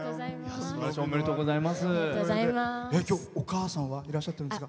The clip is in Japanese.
おめでとうございます。